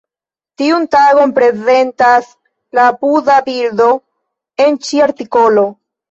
Tiun tagon prezentas la apuda bildo en ĉi artikolo.